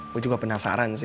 gue juga penasaran sih